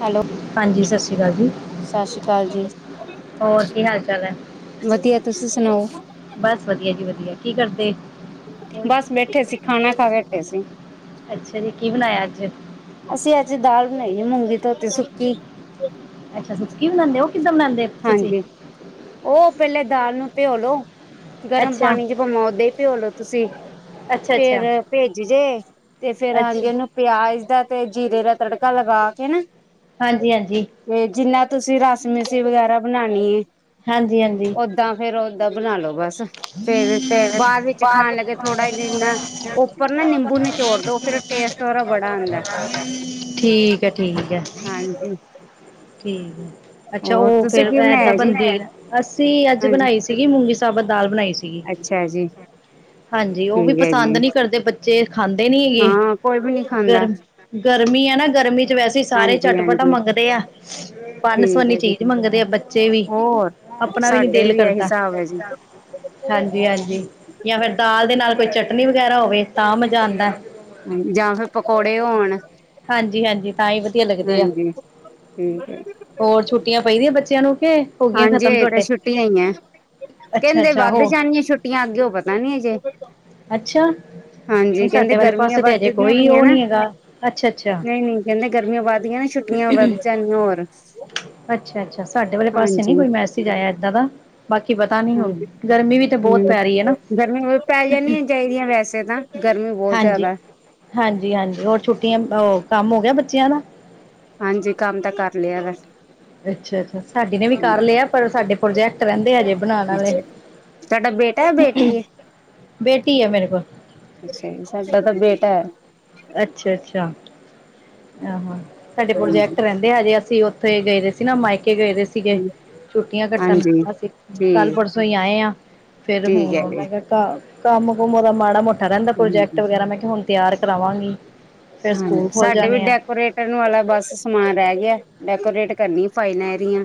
Hello. ਹਾਂਜੀ ਸਤਿ ਸ਼੍ਰੀ ਅਕਾਲ ਜੀ, ਸਤਿ ਸ੍ਰੀ ਅਕਾਲ ਜੀ ਹੋਰ ਕੀ ਹਾਲ ਚਾਲ ਹੈ। ਵਧੀਆ ਤੁਸੀ ਸੁਣਾਓ ਬਸ ਵਧੀਆ ਜੀ ਕੀ ਕਰਦੇ। ਬਸ ਬੈਠੇ ਸੀ, ਖਾਣਾ ਖਾ ਕੇ ਹਟੇ ਸੀ। ਅੱਛਾ ਜੀ, ਕੀ ਬਣਾਇਆ ਅੱਜ ਨਹੀਂ ਮੁੰਗੀ ਤੋਤੀ ਸੁੱਕੀ ਅੱਛਾ ਸੁੱਕੀ ਬਣਾਉਂਦੇ ਹੋ ਕਿੱਦਾਂ ਬਣਾਉਂਦੇ ਤੁਸੀਂ ਹਾਂਜੀ ਉਹ ਪਹਿਲੇ ਦਾਲ ਨੂੰ ਭਿਓਲੋ ਗਰਮ ਅੱਛਾ ਪਾਣੀ ਚ ਪਾਵਾ ੳਦਾ ਹੀ ਭਿਓਲੋ ਤੁਸੀਂ ਅੱਛਾ ਅੱਛਾ ਅੱਛਾ ਫੇਰ ਭੇਜ ਜੇ ਤੇ ਫੇਰ ਹਾਂਜੀ ਉਹਨੂੰ ਪਿਆਜ ਪਿਆਜ ਦਾ ਤੇ ਜੀਰੇ ਦਾ ਤੜਕਾ ਲਗਾ ਕੇ ਨਾ ਹਾਂਜੀ, ਹਾਂਜੀ ਤੇ ਜਿੰਨਾ ਤੁਸੀਂ ਰਸਮੀਿਸੀ ਵਗੈਰਾ ਬਣਾਉਣੀ ਏ ਹਾਂਜੀ, ਹਾਂਜੀ ਏਦਾਂ ਬਣਾ ਲੋ ਬਸ ਫੇਰ ਬਾਅਦ ਖਾਣ ਵਿੱਚ ਲੱਗੇ ਥੋੜਾ ਪਾਣੀ ਧੋੜਾ ਜਿਨਾ ਵਿੱਚ ਉੱਪਰ ਨਾ ਨਿੰਬੂ ਨਿਚੋੜ ਦੋ ਫਿਰ ਟੇਸਟ ਉਹਦਾ ਬੜਾ ਆਉਂਦਾ ਠੀਕ ਹੈ, ਠੀਕ ਹੈ ਹਾਂਜੀ ਠੀਕ ਅੱਛਾ ਹੋਰ ਉਹ ਤੁਸੀਂ ਫੇਰ ਕੀ ਏਦਾਂ ਬਣਾਇਆ ਜੀ? ਬੰਦੇ ਅੱਸੀਂ ਅੱਜ ਹਾਂਜੀ, ਬਣਾਈ ਸੀਗੀ ਮੁਗੀ ਸਾਬਤ ਦਾਲ ਬਣਾਈ ਸੀਗੀ, ਅੱਛਾ ਜੀ, ਹਾਂਜੀ ਉਹ ਵੀ ਠੀਕ ਹੈ ਜੀ। ਪਸੰਦ ਨਹੀਂ ਕਰਦੇ ਬ ਖਾਂਦੇ ਨੀ ਹੈਗੇ ਹਾਂ, ਕੋਈ ਵੀ ਨੀ ਖਾਂਦਾ। ਗਰਮ ਗਰਮੀ ਆ ਨਾ ਗਰਮੀ ਚ ਵੈਸੇ ਸਾਰੇ ਚਟਪਟ ਹਾਂਜੀ-ਹਾਂਜੀ, ਮੰਗਦੇ ਆ। ਵਨ ਠੀਕ ਸਵਨੀ ਹੈ ਜੀ। ਚੀਜ਼ ਮੰਗਦੇ ਆ ਬੱਚੇ ਵੀ ਹੋਰ ਆਪਣਾ ਵੀ ਨੀ ਸਾਡੇ ਦਿਲ ਇਹੀ ਕਰਦਾ। ਹਿਸਾਬ ਹੈ ਜੀ। ਹਾਂਜੀ, ਹਾਂਜੀ ਜਾਂ ਫੇਰ ਦਾਲ ਦੇ ਨਾਲ ਕੋਈ ਚਟਨੀ ਵਗੈਰਾ ਹੋਵੇ। ਤਾਂ ਮਜ਼ਾ ਆਉਂਦਾ ਜਾਂ ਫਿਰ ਪਕੌੜੇ ਹੋਣ, ਹਾਂਜੀ, ਹਾਂਜੀ ਤਾਂ ਹੀ ਵਧੀਆ ਲੱਗਦੇ ਆ, ਹਾਂਜੀ ਠੀਕ ਹੈ। ਹੋਰ ਛੁੱਟੀਆਂ ਪਈਦੀਆਂ ਬੱਚਿਆਂ ਨੂੰ ਕਿ ਹੋ ਗਈਆਂ ਖਤਮ ਹਾਂਜੀ ਤਾਂ ਤੁਹਾਡੇ ਛੁੱਟੀਆਂ ਹੀਈ ਹੈ। ਅੱਛਾ ਕਹਿੰਦੇ ਅੱਛਾ ਵੱਧ ਹੋ ਜਾਣੀਆਂ ਛੁੱਟੀਆਂ ਅੱਗੇ ਉਹ ਪਤਾ ਨੀ ਹਜੇ ਅੱਛਾ। ਹਾਂਜੀ ਨਹੀਂ ਕਹਿੰਦੇ ਸਾਡੇ ਵਾਲੇ ਗਰਮੀਆਂ ਪਾਸੇ ਤੇ ਅਜੇ ਵੱਧਦੀਆਂ ਕੋਈ ਪਈਆਂ ਉਹ ਨਾ ਨੀ ਹੈਗਾ ਅੱਛਾ ਅੱਛਾ ਨਹੀਂ, ਨਹੀਂ ਕਹਿੰਦੇ ਗਰਮੀਆਂ ਵੱਧਦੀਆਂ ਨਾ ਛੁੱਟੀਆਂ ਵੱਧ ਜਾਣ ਅੱਛਾ, ਅੱਛਾ ਸਾਡੇ ਵਾਲੇ ਪਾਸੇ ਨੀ ਕੋਈ ਮੈਸੇਜ ਆਇਆ ਏਦਾਂ ਦਾ ਬਾਕੀ ਪਤਾ ਨੀ ਹੁਣ ਹਾਂਜੀ, ਗਰਮੀ ਵੀ ਤੇ ਬਹੁਤ ਹਮ ਪੈ ਰਹੀ ਹੈ ਨਾ ਗਰਮੀਆਂ ਪੈ ਜਾਣੀਆਂ ਚਾਹੀਦੀਆਂ ਵੈਸੇ ਤਾਂ ਗਰਮੀ ਬਹੁਤ ਹਾਂਜੀ ਜ਼ਿਆਦਾ। ਹਾਂਜੀ ਹਾਂਜੀ ਹੋਰ ਛੁੱਟੀਆਂ ਔਹ ਕੰਮ ਹੋ ਗਿਆ ਬੱਚਿਆਂ ਦਾ। ਹਾਂਜੀ ਕੰਮ ਤਾਂ ਕਰ ਲਿਆ ਵ। ਅੱਛਾ ਅੱਛਾ ਸਾਡੇ ਨੇ ਵੀ ਕਰ ਲਿਆ ਪਰ ਸਾਡੇ ਪ੍ਰੋਜੈਕਟ ਰਹਿੰਦੇ ਹਜੇ ਬਣਾਉਣ ਵਾਲੇ। ਅੱਛਾ ਤੁਹਾਡਾ ਬੇਟਾ ਹੈ ਬੇਟੀ ਹੈ। ਬੇਟੀ ਹੈ ਮੇਰੇ ਕੋਲ ਅੱਛਾ ਜੀ ਸਾਡਾ ਤਾਂ ਬੇਟਾ ਹੈ। ਅੱਛਾ ਅੱਛਾ ਆਹ ਸਾਡੇ ਹਾਂਜੀ ਪ੍ਰੋਜੈਕਟ ਰਹਿੰਦੇ ਆ ਜੇ ਅਸੀਂ ਥ ਇਹ ਗਏ ਰਹੇ ਸੀ ਨਾ ਮਾਈਕੇ ਗਏ ਦੇ ਸੀਗੇ ਛੁੱਟੀਆਂ ਕੱਟਣ ਹਾਂਜੀ ਅਸੀਂ ਕੱਲ ਠੀਕ ਪਰਸੋਂ ਹੀ ਆਏ ਹ। ਫੇਿਰ ਠੀਕ ਹੈ ਹੁਣ ਜੀ ਮੈਂ ਕੰਮ ਕੁਮ ਉਹਦਾ ਮਾੜਾ ਮੋਟਾ ਰਹਿੰਦਾ ਪ੍ਰੋਜੈਕਟ ਹਾਂਜੀ ਵਗੈਰਾ ਮੈਂ ਕਿਹਾ ਹੁਣ ਤਿਆਰ ਕਰਾਵਾਂਗੀ ਫੇਰ ਹਾਂਜੀ ਸਕੂਲ ਖੋਲ ਸਾਡੇ ਵੀ ਡੈਕੋਰੇਟ ਵਾਲਾ ਬਸ ਸਮਾਨ ਰਹਿ ਗਿਆ ਡੈਕੋਰੇਟ ਕਰਨੀ ਫਾਇਲਾ ਏਦੀਆ।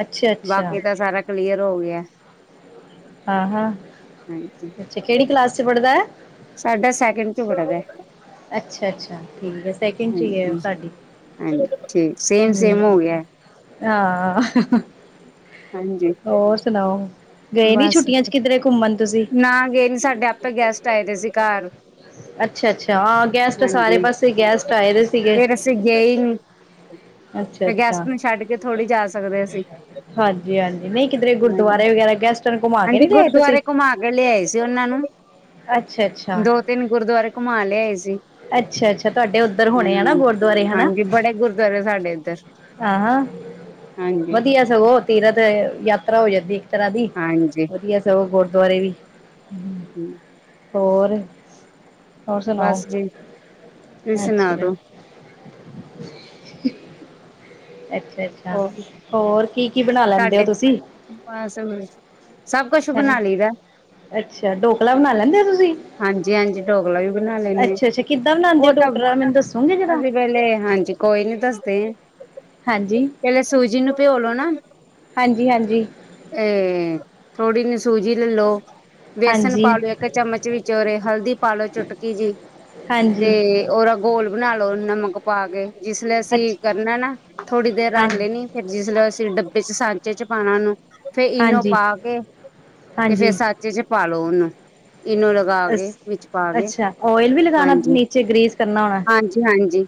ਅੱਛਾ ਅੱਛਾ ਬਾਕੀ ਤਾਂ ਸਾਰਾ ਕਲੀਅਰ ਹੋ ਗਿਆ। ਆ ਹਾਂ ਹਾਂਜੀ ਅੱਛਾ ਬੱਚਾ ਕਿਹੜੀ ਕਲਾਸ ਚ ਪੜ੍ਹਦਾ ਹੈ। ਸਾਡਾ ਸੈਕਿੰਡ ਚ ਪੜਦਾ। ਅੱਛਾ ਅੱਛਾ ਠੀਕ ਆ ਸੈਕਿੰਡ ਚ ਹੈ ਹਾਂਜੀ ਸਾਡੀ। ਹਾਂਜੀ ਠੀਕ ਸੇਮ ਸੇਮ ਹੋ ਹਮ ਗਿਆ। ਹਾਂ ਹਾਂਜੀ ਹੋਰ ਸੁਣਾਓ। ਗਏ ਨੀ ਬਸ ਛੁਟੀਆਂ ਚ ਕਿਧਰੇ ਘੁੰਮਣ। ਤੁਸੀਂ? ਨਾ ਗਏ ਨੀ ਸਾਡੇ ਆਪੇ ਗੈਸਟ ਆਏ ਦੇ ਸੀ ਘਰ। ਅੱਛਾ-ਅੱਛਾ ਹਾਂ ਗੈਸਟ ਸਾਰੇ ਹਾਂਜੀ ਪਾਸੇ ਗੈਸਟ ਆਏ ਦੇ ਸੀਗੇ। ਫੇਰ ਅਸੀਂ ਗਏ ਹੀ ਨੀ ਅੱਛਾ ਤੇ ਅੱਛਾ ਗੈਸਪ ਨੂੰ ਛੱਡ ਕੇ ਥੋੜ੍ਹੀ ਜਾ ਸਕਦੇ ਅਸੀਂ। ਹਾਂਜੀ ਹਾਂਜੀ ਨਹੀਂ ਕਿਧਰੇ ਗੁਰਦੁਆਰੇ ਵਗੈਰਾ ਗੈਸਟਾਂ ਨੂੰ ਘੁੰਮਾ ਕੇ ਨਹੀਂ ਲਏ ਤੁਸੀਂ। ਘਮਾ ਕੇ ਲਿਆ ਆਏ ਸੀ ਉਹਨਾਂ ਨੂੰ ਅੱਛਾ ਅੱਛਾ ਦੋ ਤਿੰਨ ਗੁਰਦੁਆਰੇ ਘੁਮਾ ਲਿਆ ਆਏ ਸੀ। ਅੱਛਾ-ਅੱਛਾ ਤੁਹਾਡੇ ਉੱਧਰ ਹੋਣੇ ਹੈ ਨਾ ਹਾਂਜੀ। ਗੁਰਦੁਆਰੇ ਹਨਾ। ਹਾਂਜੀ ਬੜੇ ਗੁਰਦੁਆਰੇ ਸਾਡੇ ਇੱਧਰ ਆਹ ਹਾਂ ਹਾਂਜੀ। ਵਧੀਆ ਸਗੋਂ ਤੀਰਥ ਯਾਤਰਾ ਹੋ ਜਾਂਦੀ ਇੱਕ ਤਰ੍ਹਾਂ ਹਾਂਜੀ ਵਧੀਆ ਸਗੋਂ ਗੁਰਦੁਆਰੇ ਵੀ ਹਮ ਹੋਰ ਹੋਰ ਸੁਣਾਓ ਬਸ ਜੀ ਤੁਸੀਂ ਸੁਣਾ ਅੱਛਾ ਦੋ ਅੱਛਾ ਹੋਰ ਹੋਰ ਕੀ ਕੀ ਬਣਾ ਲੈਂਦੇ ਹੋ ਤੁਹਾਡੇ ਤੁਸੀਂ। ਬਸ ਸਭ ਕੁਛ ਹੈਂ ਬਣਾ ਲਈ ਦਾ। ਅੱਛਾ ਡੋਕਲਾ ਬਣਾ ਲੈਂਦੇ ਹੋ ਤੁਸੀਂ। ਹਾਂਜੀ ਹਾਂਜੀ ਢੋਕਲਾ ਵੀ ਬਣਾ ਲੈਂਦੇ ਅੱਛਾ ਅੱਛਾ ਕਿੱਦਾਂ ਬਣਾਉਂਦੇ ਉਹ ਹੋ ਤਾਂ ਢੋਕਲਾ ਮੈਨੂੰ ਦੱਸੋਗੇ ਜਰਾ ਅਸੀਂ ਪਹਿਲੇ ਹਾਂਜੀ ਕੋਈ ਨੀ ਦੱਸਦੇ। ਹਾਂਜੀ ਪਹਿਲੇ ਸੂਜੀ ਨੂੰ ਪਿਓਲੋ ਨਾ ਹਾਂਜੀ ਹਾਂਜੀ ਇਹ ਥੋੜ੍ਹੀ ਨ ਸੂਜੀ ਲੈਲੋ ਬੇਸਨ ਹਾਂਜੀ ਪਾ ਲ ਲੋ ਇੱਕ ਚਮਚ ਵਿਚੋ ਰੇ ਹਲਦੀ ਪਾਲੋ ਚੁਟਕੀ ਜੀ ਤੇ ਹਾਂਜੀ ਉਹਦਾ ਗੋਲ ਬਣਾ ਲੋ ਨਮਕ ਪਾ ਕੇ ਜਿਸਲ ਅਸੀਂ ਅੱਛ ਕਰਨਾ ਨਾ ਥੋੜ੍ਹੀ ਦੇਰ ਰੱਖ ਹਾਂਜੀ ਲੈਣੀ ਫਿਰ ਜਿਸ ਮਤਲਬ ਅਸੀਂ ਡੱਬੇ ਚ ਸਾਂਚੇ ਚ ਪਾਉਣਾ ਉਹਨੂੰ ਫੇਰ ਇਨੂੰ ਹਾਂਜੀ ਪਾ ਕੇ ਤੇ ਫੇਰ ਸਾਚੇ ਚ ਪਾਾਲੋ ਉਹਨੂੰ। ਇਨੋ ਲਗਾ ਅ ਕੇ ਵਿੱਚ ਪਾ ਕੇ ਅੱਛਾ ਓਇਲ ਵੀ ਲਗਾਣਾ ਹਾਂਜੀ ਨੀਚੇ ਗ੍ਰੇਸ ਕਰਨਾ ਹੋਣਾ। ਹਾਂਜੀ ਹਾਂਜੀ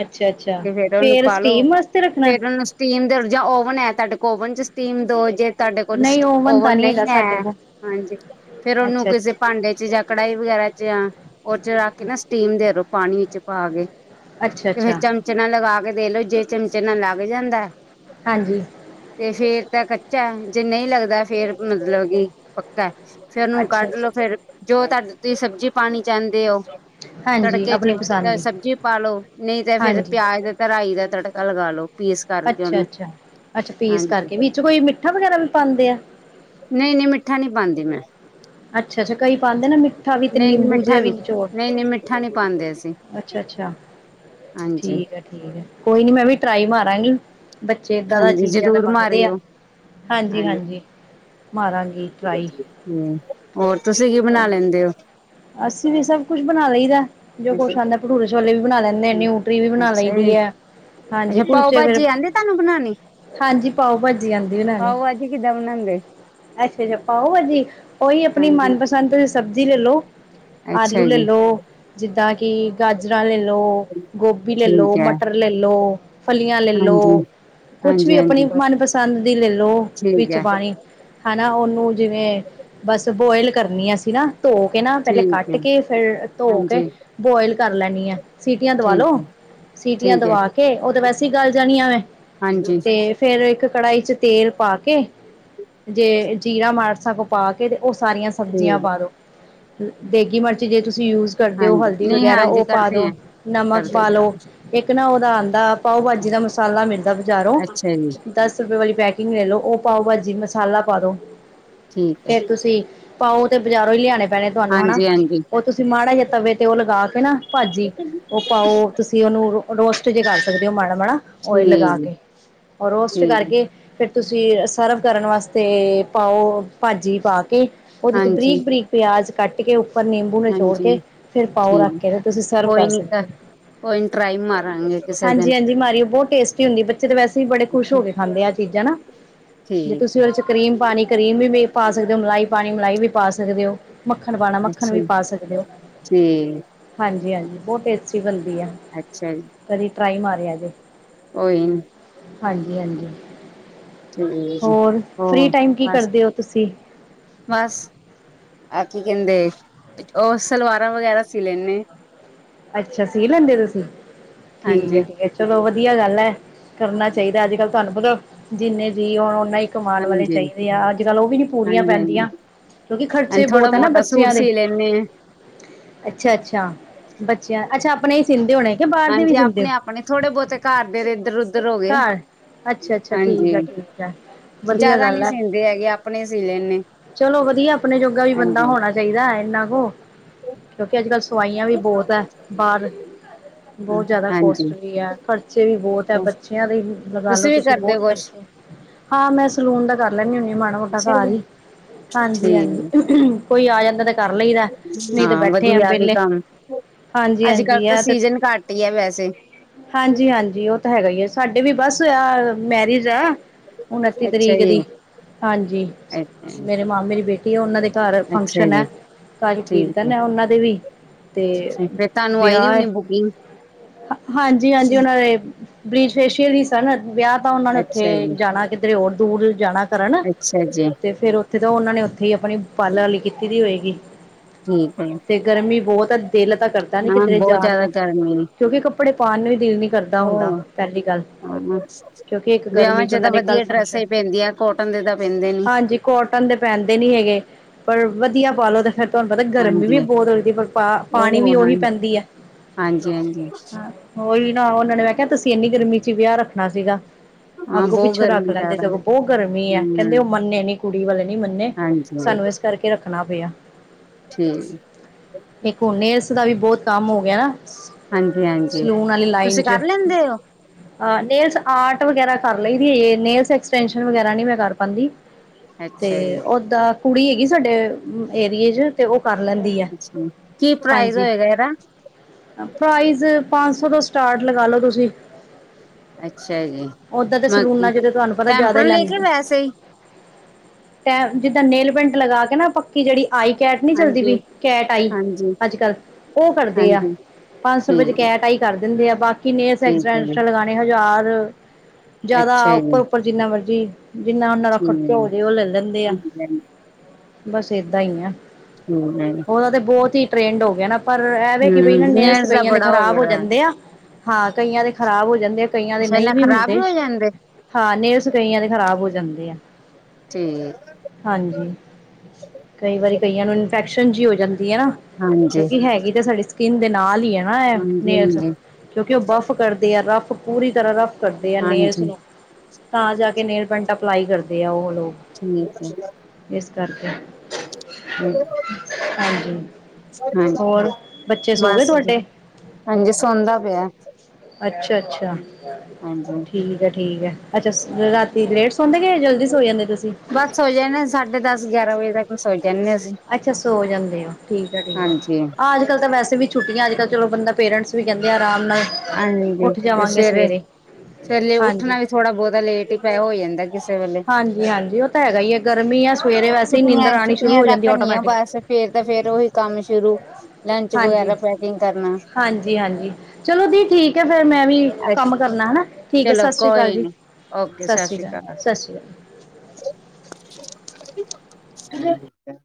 ਅੱਛਾ ਅੱਛਾ ਫੇਰ ਲੋ ਸਟੀਮ ਵਾਸਤੇ ਰੱਖਣਾ ਫੇਰ ਉਹਨੂੰ ਸਟੀਮ ਦੇ ਜਾਂ ਓਵਨ ਹੈ ਤੁਹਾਡੇ ਕੋਲ ਓਵਨ ਚ ਸਟੀਮ ਦੋ ਜੇ ਤੁਹਾਡੇ ਕੋਲ ਨਹੀਂ ਤਾਂ ਓਵਨ ਨਹੀਂ ਹੈਗਾ ਹੈ। ਸਾਡੇ ਕੋਲ ਹਾਂਜੀ ਫੇਰ ਉਹਨੂੰ ਅੱਛਾ ਅੱਛਾ ਕਿਸੇ ਭਾਂਡੇ ਚ ਜਾਂ ਕੜਾਹੀ ਵਗੈਰਾ ਚ ਜਾਂ ਉਹ ਚ ਰੱਖ ਕੇ ਨਾ ਸਟੀਮ ਦੇ ਰੋ। ਪਾਣੀ ਵਿਚ ਪਾ ਕੇ ਅੱਛਾ ਤੇ ਫਿਰ ਅੱਛਾ ਚਮਚੇ ਨਾ ਲਗਾ ਕੇ ਦੇ ਲੋੋ ਜੇ ਚਮਚਨਾ ਲੱਗ ਜਾਂਦਾ ਹਾਂਜੀ ਪਾ ਕੱਚਾ ਜੇ ਨਹੀਂ ਲੱਗਦਾ ਫੇਰ ਮਤਲਬ ਕਿ ਪੱਕਾ ਫੇਰ ਉਹਨੂੰ ਅੱਛਾ ਕੱਢ ਲੋੋ ਅੱਛਾ ਫੇਿਰ ਜੋ ਤੁਹਾਡ ਤੁਸੀਂ ਸਬਜ਼ੀ ਪਾਣੀ ਚਾਹੁੰਦੇ ਹੋ ਹਾਂਜੀ ਤੜਕੇ ਆਪਣੀ ਚ ਪਸੰਦ ਤਾਂ ਦੀ ਸਬਜ਼ੀ ਪਾਾਲਓ ਨਹੀਂ ਤੇ ਫੇਿਰ ਹਾਂਜੀ ਪਿਆਜ ਤੇ ਰਾਈ ਦਾ ਤੜਕਾ ਲਗਾ ਲੋ ਪੀਸ ਕਰਕੇ ਅੱਛਾ ਉਹਨੂੰ ਅੱਛਾ ਅੱਛਾ ਪੀਸ ਹਾਂਜੀ ਕਰਕੇ ਵਿੱਚ ਕੋਈ ਮਿੱਠਾ ਵਗੈਰਾ ਵੀ ਪਾਉਂਦੇ ਆ ਨਹੀਂ ਨਹੀਂ ਮਿੱਠਾ ਨਹੀਂ ਪਾਉਂਦੀ ਮੈਂ ਅੱਛਾ ਅੱਛਾ ਕਈ ਪਾਉਂਦੇ ਨਾ ਮਿੱਠਾ ਵੀ ਤੇ ਨਹੀਂ ਨਹੀਂ ਨਿੰਬੂ ਮਿੱਠਾ ਜਿਹਾ ਵੀ ਨਹੀਂ ਨਿਚੋਰ ਨਹੀਂ ਨਹੀਂ ਮਿੱਠਾ ਨਹੀਂ ਪਾਉਂਦੇ ਅਸੀਂ ਅੱਛਾ ਅੱਛਾ ਹਾਂਜੀ ਠੀਕ ਹੈ ਠੀਕ ਹੈ ਕੋਈ ਨੀ ਮੈਂ ਵੀ ਟਰਾਈ ਮਾਰਾਂਗੀ ਬੱਚੇ ਏਦਾਂ ਦਾ ਹਾਂਜੀ ਚੀਜ਼ਾਂ ਤੇ ਜ਼ਰੂਰ ਮੰਗਦੇ ਆ ਮਾਰਿਓ ਹਾਂਜੀ ਹਾਂਜੀ ਮਾਰਾਂਗੀ ਟਰਾਈ ਹਮ ਹੋਰ ਤੁਸੀਂ ਕੀ ਬਣਾ ਲੈਂਦੇ ਹੋ ਅਸੀਂ ਵੀ ਸਭ ਕੁਛ ਬਣਾ ਲਈ ਦਾ ਜੋ ਕੁਛ ਆਉਂਦਾ ਭਠੂਰੇ ਛੋਲੇ ਵੀ ਬਣਾ ਲੈਂਦੇ ਆ ਅੱਛਾ ਨਿਊਟਰੀ ਵੀ ਬਣਾ ਜੀ ਲੈਂਦੀ ਹੈ ਹਾਂਜੀ ਅੱਛਾ ਪਾਓ ਕੁਲਚੇ ਫਿਰ ਭਾਜੀ ਆਹਂਦੇ ਤੁਹਾਨੂੰ ਬਣਾਉਣੀ ਹਾਂਜੀ ਪਾਓ ਬਾਜੀ ਆਂਦੀ ਬਣਾਣੀ। ਪਾਓ ਭਾਜੀ ਕਿੱਦਾਂ ਬਣਾਉਂਦੇ ਅੱਛਾ ਅੱਛਾ, ਪਾਓ ਬਾਜੀ ਉਹੀ ਆਪਣੀ ਹਾਂਜੀ ਮਨਪਸੰਦ ਸਬਜ਼ੀ ਲੈ ਲਓ ਆਲੂ ਅੱਛਾ ਲੈ ਜੀ ਲਓ ਜਿੱਦਾਂ ਕਿ ਗਾਜਰਾਂ ਲੈ [unintelligible] ਗੋਭੀ ਲੇ ਲੋ ਠੀਕ ਹੈ ਮਟਰ ਲ਼ੇ ਲੋ ਫਲੀਆਂ ਲ਼ੇ ਲੋ। ਹਾਂਜੀ ਕੁੱਛ ਹਾਂਜੀ ਵੀ ਆਪਣੀ ਹਾਂਜੀ ਮਨਪਸੰਦ ਦੀ ਲੇ ਲੋ ਠੀਕ ਵਿੱਚ ਹੈ ਪਾਣੀ ਹਨਾ ਉਹਨੂੰ ਜਿਵੇਂ ਬਸ ਬੋਇਲ ਕਰਨੀ ਸੀਂ ਨਾ ਧੋ ਕੇ ਨਾ ਪਹਿਲੇ ਠੀਕ ਕੱਟ ਹੈ ਕੇ ਫਿਰ ਹਾਂਜੀ ਸੀਟੀਆਂ ਦਵਾ ਲੋ ਠੀਕ ਹੈ ਸੀਟੀਆਂ ਠੀਕ ਹੈ ਦਵਾ ਕੇ ਉਹ ਤੇ ਵੈਸੇ ਹੀ ਗੱਲ ਜਾਣੀਆਂ ਨੇ, ਹਾਂਜੀ ਤੇ ਫੇਰ ਇੱਕ ਕੜਾਹੀ ਚ ਤੇਲ ਪਾ ਕੇ ਜੇ ਜੀਰਾ ਮਾੜਾ ਸਾਂ ਕੁ ਪਾ ਕੇ ਉਹ ਸਾਰੀਆਂ ਸਬਜ਼ੀਆਂ ਠੀਕ ਪਾ ਦੋ ਦੇਗੀ ਮਿਰਚ ਜੇ ਤੁਸੀਂ ਤੁਸੀਂ ਯੂਜ ਕਰਦੇ ਓ ਹਾਂਜੀ ਹਲਦੀ ਨਹੀਂ ਵਗੈਰਾ ਹਾਂਜੀ ਉਹ ਪਾ ਕਰਦੇ ਦੋ ਆ ਕਰਦੇ ਪਾਓ ਕਰਦੇ ਅੱਛਾ ਜੀ ਭਾ ਮਸਾਲਾ ਪਾ ਦੋ ਠੀਕ ਹੈ ਫੇਰ ਤੁਸੀਂ ਪਾਓ ਤੇ ਬਾਜ਼ਾਰੋਂ ਹੀ ਲਿਆਣੇ ਭੈਣੇ ਤੁਹਾਨੂੰ ਹਨਾ ਹਾਂਜੀ ਹਾਂਜੀ ਉਹ ਤੁਸੀਂ ਮਾੜਾ ਜਿਹਾ ਤਵੇ ਤੇ ਉਹ ਲਗਾ ਕੇ ਨਾ ਭਾਜੀ, ਉਹ ਪਾਓ ਤੁਸੀਂ ਉਹਨੂੰ ਰੋਸਟ ਜੇ ਕਰ ਸਕਦੇ ਓ ਮਾੜਾ ਮਾੜ ਓਇਲ ਲਗਾ ਠੀਕ ਕੇ ਔਰ ਰੋਸਟ ਠੀਕ ਕਰਕੇ ਫਿਰ ਤੁਸੀਂ ਸਰਵ ਕਰਨ ਵਾਸਤੇ ਪਾਓ ਭਾਜੀ ਪਾ ਕੇ ਉਹਦੇ ਚ ਹਾਂਜੀ ਬਰੀਕ ਬਰੀਕ ਪਿਆਜ ਕੱਟ ਕੇ ਉੱਪਰ ਨਿੰਬੂ ਨਚੋੜ ਹਾਂਜੀ ਕੇ ਫਿਰ ਪਾਓ ਰੱਖ ਠੀਕ ਕੇ ਨਾ ਤੁਸੀਂ ਸਰਵ ਕੋਈ ਕਰ ਨੀ ਸਕ ਦਿਓ। ਕੋਈ ਨੀ ਟਰਾਈ ਮਾਰਾਂਗੇ ਕਿਸੇ ਹਾਂਜੀ ਦਿਨ ਹਾਂਜੀ, ਮਾਰੀਓ ਬਹੁਤ ਟੇਸਟੀ ਹੁੰਦੀ ਬੱਚੇ ਤਾਂ ਵੈਸੇ ਵੀ ਬੜੇ ਠੀਕ ਖੁਸ਼ ਹੋ ਅੱਛਾ ਕੇ ਖਾਂਦੇ ਆ ਐ ਚੀਜ਼ਾਂ ਨਾ ਜੇ ਤੁਸੀਂ ਉਹਦੇ ਚ ਕਰੀਮ ਪਾਣੀ ਕਰੀਮ ਵੀ ਪਾ ਸਕਦੇ ਓ ਮਲਾਈ ਪਾਣੀ ਮਲਾਈ ਵੀ ਪਾ ਸਕਦੇ ਓ। ਮੱਖਣ ਪਾਣਾ ਮੱਖਣ ਵੀ ਪਾ ਸਕਦੇ ਓ ਠੀਕ ਹਾਂਜੀ ਹਾਂਜੀ ਬਹੁਤ ਟੇਸਟੀ ਬਣ ਕਦੀ ਟਰਾਈ ਮਾਰਿਆ ਜੇ ਓਹੀ, ਹਾਂਜੀ ਹਾਂਜੀ, ਠੀਕ ਜੀ ਹੋਰ ਫ੍ਰਰੀ ਹੋਰ ਟਾਈਮ ਕੀ ਬਸ ਕਰਦੇ ਓ ਤੁਸੀਂ? ਬਸ ਅ ਕੀ ਕਹਿੰਦੇ ਓ ਸਲਵਾਰਾਂ ਵਗੈਰਾ ਸੀ ਲੈਣੇ, ਅੱਛਾ, ਸੀ ਲੈਂਦੇ ਤੁਸੀਂ ਠੀਕ ਹਾਂਜੀ ਐ ਠੀਕ ਐ ਚਲੋ ਵ ਵਧੀਆ ਗੱਲ ਐ ਕਰਨਾ ਚਾਹੀਦਾ ਅੱਜ ਕੱਲ੍ਹ ਤੁਹਾਨੂੰ ਪਤਾ ਜਿੰਨੇ ਜੀਅ ਹੋਣ ਓਨਾ ਹੀ। ਕਮਾਣ ਵਾਲੇ ਹਾਂਜੀ ਚਾਹੀਦੇ ਆ ਅੱਜ ਕੱਲ੍ਹ ਉਹ ਵੀ ਨੀ ਪੂ ਹਾਂਜੀ ਹਾਂਜੀ ਕਿਉਂਕਿ ਖ਼ਰਚੇ ਹਾਂਜੀ ਥੋੜਾ ਬਹੁਤ ਆ ਨਾ ਮੋਟਾ ਸੂਟ ਬੱਚਿਆਂ ਦੇ ਸੀ ਲੈਂਦੇ ਆ ਅੱਛਾ ਅੱਛਾ ਬੱਚਿਆਂ ਅੱਛਾ ਆਪਣੇ ਹੀ ਸਿੰਦੇ ਹੋਣੇ। ਕਿ ਬਾਹਰ ਦੇ ਵੀ ਹਾਂਜੀ, ਸਿੰਦੇ ਆਪਣੇ ਹੋ ਆਪਣੇ ਥੋੜੇ ਬਹੁਤੇ ਘਰ ਦੇ ਇੱਧਰ ਉਧਰ [unintelligible] ਹੋ ਗਏ ਘਰ ਅੱਛਾ ਅੱਛਾ ਹਾਂਜੀ, ਠੀਕ ਆ ਠੀਕ ਆ ਵਧੀਆ ਜ਼ਿਆਦਾ ਗੱਲ ਨਹੀਂ ਹੈ ਸਿੰਦੇ ਹੈਗੇ ਆਪਣੇ ਸੀ ਲੈਣੇ। ਚਲੋ ਵਧੀਆ ਆਪਣੇ ਜੋਗਾ ਵੀ ਸਵਾਈਆਂ ਵੀ ਬਹੁਤ ਐ ਬਾਹਰ ਬਹੁਤ ਜ਼ਿਆਦਾ ਹਾਂਜੀ ਕੋਸਟਲੀ ਐ ਖਰਚੇ ਵੀ ਬਹੁਤ ਐ। ਬੱ ਬੱਚਿਆਂ ਦੇ ਲਗਾਲੋ, ਵੀ ਤੁਸੀਂ ਕਰਦੇ ਬਹੁਤ ਹੋ ਕੁਛ ਖਰਚੇ ਹਾਂ, ਮੈਂ ਸਲੂਨ ਦਾ ਕਰ ਲੈਣੀ ਹੁੰਨੀ ਆ ਮਾੜਾ ਮੋਟਾ ਅੱਛਾ ਘਰ ਜੀ ਈ ਹਾਂਜੀ-ਹਾਂਜੀ। ਠੀਕ ਕੋਈ ਆ ਜਾਂਦਾ, ਤੇ ਕਰ ਲਈਦਾ ਨਹੀਂ ਤਾ ਹਾਂ ਬੈਠੇ ਆ ਵਧੀਆ ਵੀ ਵਿਹਲੇ। ਕੰਮ ਹਾਂਜੀ-ਹਾਂ, ਅੱਜ ਕੱਲ ਤਾਂ ਸੀਜਨ ਘੱਟ ਹੀ ਹੈ ਵੈਸੇ ਹੈਗਾ ਹੀ ਆ। ਸਾਡੇ ਵੀ ਬਸ ਆ ਮੈਰਿਜ ਆ, ਉਨੱਤੀ ਅੱਛਾ ਤਰੀਕ ਜੀ ਦੀ ਹਾਂਜੀ, ਅੱਛਾ ਮੇਰੇ ਮਾਮੇ ਦੀ ਬੇਟੀ ਆ, ਉਹਨਾਂ ਦੇ ਘਰ ਅੱਛਾ ਫੰਕਸ਼ਨ ਆ। ਜੀ ਅੱਜ ਠੀਕ ਹੈ ਕੀਰਤਨ ਐ, ਉਹਨਾਂ ਦੇ ਵੀ ਤੇ ਫੇਰ ਤੁਹਾਨੂੰ ਆਈ ਦੀ ਵਿਆਹ ਐ ਹੋਣੀ ਬੁਕਿੰਗ ਹਾਂਜੀ-ਹਾਂਜੀ, ਉਹਨਾਂ ਦੇ ਬਲੀਚ ਫੇਸ਼ੀਅਲ ਹੀ ਸਨ। ਵਿਆਹ ਤਾਂ, ਉਹਨਾਂ ਨੇ ਉੱਥੇ ਅੱਛਾ ਜੀ ਜਾਣਾ ਕਿਧਰੇ ਹੋਰ ਦੂਰ ਜਾਣਾ ਕਰਨ। ਅੱਛਾ ਜੀ ਤੇ ਫੇਰ ਉੱਥੇ ਤਾਂ ਉਹਨਾਂ ਨੇ ਉੱਥੇ ਹੀ ਆਪਣੀ ਪਾਲਰ ਆਲੀ ਕੀ ਤੀ ਹੋਏਗੀ ਠੀਕ ਹੈ ਤੇ ਗਰਮੀ ਬਹੁਤ ਆ ਦਿਲ ਤਾਂ ਕਰਦਾ ਨੀ ਹਾਂ ਕਿਧਰੇ ਬਹੁਤ ਜਾਣ ਜਿਆਦਾ ਨੂੰ, ਗਰਮੀ ਕਿਉਂਕਿ ਕੱਪੜੇ ਪਾਉਣ ਨੂੰ ਵੀ ਦਿਲ ਨੀ ਕਰਦਾ ਹੁੰਦਾ। ਹੋ ਪਹਿਲੀ ਗੱਲ, ਕਿਉਂਕਿ ਇੱਕ ਗਰਮੀ ਵਿਆਹਾਂ ਚ ਉਹਨਾਂ ਤਾਂ ਦੇ ਕੱਲ ਵਧੀਆ ਡਰੈਸਾਂ ਫੰਕਸ਼ਨ, ਹੀ ਪੈਂਦੀਆਂ ਕੋਟਨ ਦੇ ਤਾਂ ਪੈਂਦੇ ਨੀ ਹਾਂਜੀ ਕੋਟਨ ਪੈਂਨਦੇ ਨੀ ਹੈਗੇ, ਪਰ ਵਧੀਆ ਪਾਲੋ ਤੇ ਫਿਰ ਤੁਹਾਨੂੰ, ਪਤਾ ਗਰਮੀ ਵੀ ਹਾਂਜੀ ਬਹੁਤ ਹੋ ਜਾਂਦੀ, ਪਰ ਪਾ ਪਾਣੀ ਵੀ ਉਹ ਹਾਂ ਉਹੀ ਪੈਂਦੀ ਹੈ। ਹਾਂਜੀ ਹਾਂਜੀ। ਹਾਂ ਉਹੀ ਨਾ, ਉਹਨਾਂ ਨੇ ਮੈਂ ਕਿਹਾ ਤੁਸੀਂ ਇੰਨੀ ਗਰਮੀ ਚ ਵਿਆਹ ਰੱਖਣਾ ਸੀਗਾ। ਹਾਂ ਅੱਗੋਂ ਬਹੁਤ ਪਿੱਛੋਂ ਗਰਮੀ ਰੱਖ ਲੈਂਦੇ ਜ਼ਿਆਦਾ ਸਗੋਂ ਬਹੁਤ ਗਰਮੀ ਹੈ, ਕਹਿੰਦੇ ਹਮ ਉਹ ਮੰਨੇ ਨੀ ਕੁੜੀ ਵਾਲੇ ਨੀ ਮੰਨੇ ਹਾਂਜੀ ਸਾਨੂੰ ਇਸ ਕਰਕੇ ਰੱਖਣਾ ਪਿਆ। ਠੀਕ ਇੱਕ ਹੁਣ ਨੇਲਸ ਦਾ ਵੀ ਬਹੁਤ ਕੰਮ ਹੋ ਗਿਆ ਨਾ? ਹਾਂਜੀ ਹਾਂਜੀ ਸਲੂਨ ਵਾਲੀ ਲਾਈਨ ਤੁਸੀਂ ਚ ਕਰ ਲੈਂਦੇ ਹੋ ਨੇਲਸ ਆਰਟ ਵਗੈਰਾ ਕਰ ਲਈ ਦੀ ਹਜੇ ਵਗੈਰਾ ਨਹੀਂ ਮੈਂ ਕਰ ਪਾਂਦੀ। ਤੇ ਅੱਛਾ ਜੀ ਓ ਕੁੜੀ ਹੈਗੀ। ਸਾਡੇ ਏਰੀਏ ਚ ਤੇ ਉਹ ਕਰ ਲੈਂਦੀ ਹੈ। ਅੱਛਾ ਕੀ ਪ੍ਰਾਈਜ਼ ਹਾਂਜੀ, ਹੋਏਗਾ ਇਹਦਾ ਪ੍ਰਾਈਜ਼ ਪੰਜ ਸ ਉਥੋਂ ਤੋਂ ਸਟਾਰਟ ਲਗਾ ਲੋ, ਤੁਸੀਂ ਅੱਛਾ ਜੀ ਓਦਾਂ ਤੇ ਸਲੂਨਾ ਮਤਲਬ ਜਦੋਂ ਤੁਹਾਨੂੰ ਪਤਾ ਜਿਆਦਾ ਹੀ ਟੈਂਪਰ ਲੈ ਕੇ ਲੈਂਦੇ। ਵੈਸੇ ਹੀ ਤੇ ਜਿੱਦਾਂ ਨੇਲ ਪਿੰਟ ਲਗਾ ਕੇ ਨਾ, ਪੱਕੀ ਜਿਹੜੀ ਆਈ ਕੈਟ ਨਹੀਂ ਚੱਲਦੀ ਹਾਂਜੀ ਪਈ, ਕੈਟ ਆਈ ਹਾਂਜੀ ਅੱਜ ਕੱਲ ਉਹ ਕਰਦੇ ਆ। ਹਾਂਜੀ ਪੰਜ ਸੌ ਰੁਪਏ ਚ ਠੀਕ ਹੈ ਕੈਟ ਆਈ ਕਰ ਦਿੰਦੇ ਆ। ਬਾਕੀ ਨੇ ਐਕਸੀਟ ਠੀਕ ਹੈ ਜੀ ਹਜ਼ਾਰ ਜਿਆਦਾ, ਅੱਛਾ ਉੱਪਰ ਜੀ ਉੱਪਰ ਜਿੰਨਾ ਮਰਜੀ ਜਿੰਨਾ ਉਹਨਾਂ ਦਾ ਖਰਚਾ ਹੋ ਠੀਕ ਜੇ, ਉਹ ਲੈ ਲੈਂਦੇ ਆ ਠੀਕ ਹੈ ਬਸ ਏਦਾਂ ਹੀ ਆ। ਹਮ ਉਹਦਾ ਤੇ ਬਹੁਤ ਹੀ ਟਰੈਂਡ ਹੋ ਗਿਆ ਨਾ। ਪਰ ਐਵੇ ਕਿ ਬ ਇਹ ਨੇਲਸ ਦਾ ਕਈਆਂ ਦੇ ਬੜਾ ਖਰਾਬ ਹੋ ਗਿਆ ਜਾਂਦੇ ਆ। ਹਾਂ, ਕਈਆਂ ਦੇ ਖਰਾਬ ਹੋ ਜਾਂਦੇ ਆ, ਕਈਆਂ ਦੇ ਅੱਛਾ ਨਹੀਂ ਇਹਨਾ ਵੀ ਖ਼ਰਾਬ ਹੁਣਦੇ। ਹੋ ਜਾਂਦੇ ਹਾਂ, ਨੇਲਸ ਕਈਆਂ ਦੇ ਖ਼ਰਾਬ ਹੋ ਜਾਂਦੇ ਆ। ਠੀਕ ਹਾਂਜੀ। ਕਈ ਵਾਰੀ ਕਈਆਂ ਨੂੰ ਇਨਫੈਕਸ਼ਨ ਜਿਹੀ ਹੋ ਜਾਂਦੀ ਹੈ ਨਾ, ਹਾਂਜੀ ਕਿਉਂਕਿ ਹੈਗੀ ਤਾਂ ਸਾਡੀ ਸਕਿੰਨ ਦੇ ਨਾਲ ਹੀ ਐ ਨਾ। ਹੈਂ। ਹਾਂਜੀ ਨੇਲਜ਼ ਚ ਹਾਂਜੀ ਕਿਉਂਕਿ ਉਹ ਬਫ਼ ਰਫ, ਪੂਰੀ ਤਰ੍ਹਾਂ ਰੱਫ ਕਰਦੇ ਆ। ਨੇਲਜ਼ ਹਾਂਜੀ ਨੂੰ ਤਾਂ ਜਾ ਕੇ ਨੇਲ ਪੈਂਟ ਅਪਲਾਈ ਕਰਦੇ ਆ‌। ਉਹ ਲੋਕ ਠੀਕ। ਇਸ ਕਰਕੇ ਹਮ [unintelligible] ਹਾਂਜੀ ਹੋਰ ਹਾਂਜੀ। ਬੱਚੇ ਸੋ ਗਏ ਬਸ ਤੁਹਾਡੇ ਹਾਂਜੀ, ਸੌਦਾ ਪਿਆ। ਅੱਛਾ ਅੱਛਾ ਹਾਂਜੀ ਠੀਕ ਹੈ, ਠੀਕ ਹੈ। ਅੱਛਾ ਰਾਤੀ ਲੇਟ ਸੌਦੇ ਗਏ, ਜਲਦੀ ਸੋ ਜਾਂਦੇ ਤੁਸੀਂ? ਬਸ ਸੋ ਜਾਣੇ ਸਾਢੇ ਦਸ ਗਿਆਰਾਂ ਵਜੇ ਤੱਕ ਸੋ ਜਾਂਦੇ ਅਸੀਂ ਅੱਛਾ ਸੋ ਜਾਂਦੇ ਓ। ਠੀਕ ਹੈ ਠੀਕ ਹੈ। ਹਾਂਜੀ ਆ ਅਜ ਕੱਲ ਤਾਂ ਵੈਸੇ ਵੀ ਛੁੱਟੀਆਂ, ਅੱਜ ਕੱਲ ਚਲੋ ਬੰਦਾ ਪੇਰੈਂਟਸ ਵੀ ਕਹਿੰਦੇ ਆ ਆਰਾਮ ਨਾਲ, ਹਾਂਜੀ ਉੱਠ ਤੇ ਜਾਵਾਂਗੇ ਸਵੇਰੇ। ਸਵੇਰੇ ਹਾਂਜੀ ਉੱਠਣਾ ਵੀ ਥੋੜਾ ਬਹੁਤਾ ਲੇਟ ਹੀ ਪੈ ਹੋ ਜਾਂਦਾ ਕਿਸੇ ਵੇਲੇ ਹਾਂਜੀ ਹਾਂਜੀ, ਉਹ ਤਾਂ ਹੈਗਾ ਐ, ਗਰਮੀ ਸਵੇਰੇ ਵੈਸੇ ਨੀਂਦਰ ਆਣੀ ਸ਼ੁਰੂ ਹੋ ਜਾਂਦੀ ਦੀ ਆ, ਆਟੋਮੈਟਿਕ ਬਸ ਫੇਰ ਤਾਂ ਫੇਰ ਉਹੀ ਕੰਮ ਸ਼ੁਰੂ। ਲੰਚ ਹਾਂਜੀ ਵਗੈਰਾ ਪੈਕਿੰਗ ਕਰਨਾ ਹਾਂਜੀ ਹਾਂਜੀ, ਚਲੋ ਦੀ ਠੀਕ ਐ, ਫੇਰ ਮੈਂ ਵੀ ਕੰਮ ਕਰਨਾ ਹੈਨਾ, ਠੀਕ ਐ, ਚਲੋ ਸਤਿ ਸ਼੍ਰੀ ਅਕਾਲ ਕੋਈ ਜੀ। ਨੀ ਓਕੇ ਸਤਿ ਸ਼੍ਰੀ ਸ੍ਰੀ ਅਕਾਲ, ਸਤਿ ਸ਼੍ਰੀ ਅਕਾਲ। ਕਿ [unintelligible]